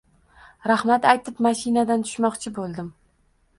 Rahmat aytib mashinadan tushmoqchi bo`ldim